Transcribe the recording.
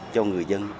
cho người dân